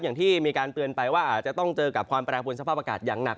อย่างที่มีการเตือนไปว่าอาจจะต้องเจอกับความแปรปวนสภาพอากาศอย่างหนัก